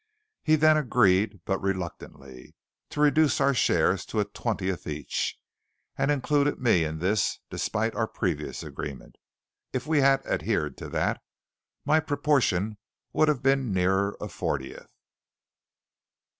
He then agreed, but reluctantly, to reduce our shares to a twentieth each, and included me in this, despite our previous agreement. If we had adhered to that, my proportion would have been nearer a fortieth.